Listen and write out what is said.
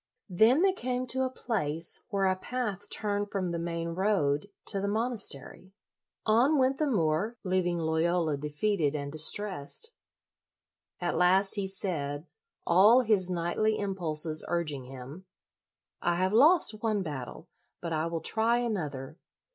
Then they came to a place where a path turned from the main road 58 LOYOLA to the monastery. On went the Moor, leaving Loyola defeated and distressed. At last he said, all his knightly impulses urging him, " I have lost one battle, but I will try another.